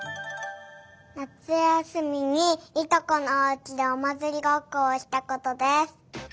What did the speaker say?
なつやすみにいとこのおうちでおまつりごっこをしたことです。